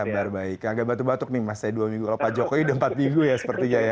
kabar baik gak batuk batuk nih mas saya dua minggu lopat jokowi dan empat minggu ya sepertinya ya